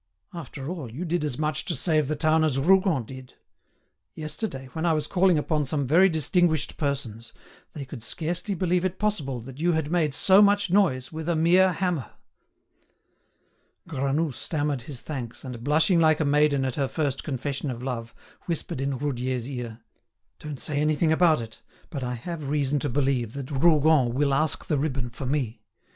After all, you did as much to save the town as Rougon did. Yesterday, when I was calling upon some very distinguished persons, they could scarcely believe it possible that you had made so much noise with a mere hammer." Granoux stammered his thanks, and, blushing like a maiden at her first confession of love, whispered in Roudier's ear: "Don't say anything about it, but I have reason to believe that Rougon will ask the ribbon for me.